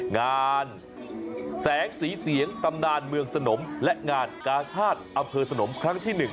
งานแสงสีเสียงตำนานเมืองสนมและงานกาชาติอำเภอสนมครั้งที่๑